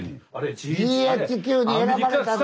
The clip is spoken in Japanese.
ＧＨＱに選ばれた。